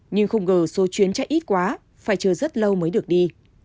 nhưng không ngờ số chuyến chạy ít quá phải chờ rất lâu mới được đi